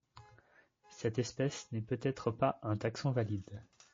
Cette espèce n'est peut être pas un taxon valide.